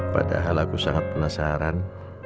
padahal aku sangat penasaran